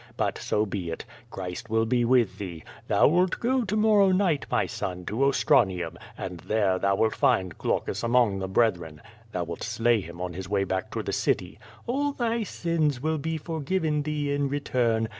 But so be it. Christ will be with thee. Thou wilt go to morrow night, my son, to Ostranium, and there thou wilt find Qlaucus among the brethren. Thou wilt slay him on his way back to the city. All thy sins will be forgiven thee in return.